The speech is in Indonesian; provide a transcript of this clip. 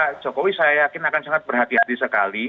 pak jokowi saya yakin akan sangat berhati hati sekali